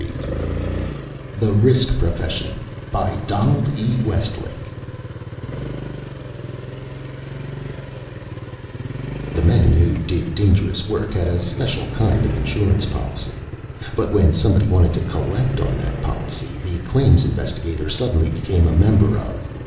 pgdp.net [Illustration: Illustrated by IVIE] _The men who did dangerous work had a special kind of insurance policy. But when somebody wanted to collect on that policy, the claims investigator suddenly became a member of